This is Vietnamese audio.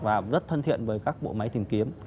và rất thân thiện với các bộ máy tìm kiếm